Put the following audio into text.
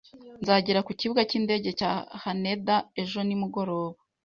Nzagera ku Kibuga cy’indege cya Haneda ejo nimugoroba